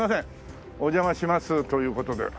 お邪魔しますという事で。